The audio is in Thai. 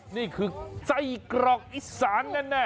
นี่คือไส้กรอกอีสานแน่